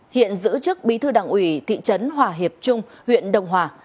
hiện giữ chức bí thư đảng ủy thị trấn hòa hiệp trung huyện đồng hòa